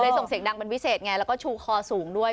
ส่งเสียงดังเป็นพิเศษไงแล้วก็ชูคอสูงด้วย